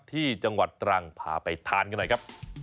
ที่จังหวัดตรังพาไปทานกันหน่อยครับ